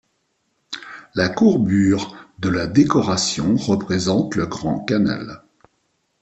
La courbure de la décoration représente le Grand Canal.